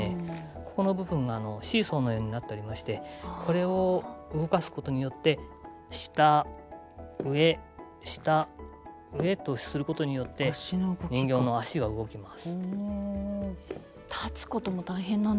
ここの部分がシーソーのようになっておりましてこれを動かすことによって「下上下上」とすることによって人形の脚が動きます。